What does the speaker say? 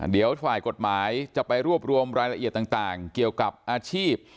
เดี๋ยวฝ่ายกฎหมายจะไปรวบรวมรายละเอียดต่างเกี่ยวกับอาชีพ